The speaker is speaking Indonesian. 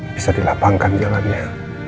bisa dilapangkan jalannya